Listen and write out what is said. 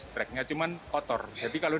tracknya cuma kotor jadi kalau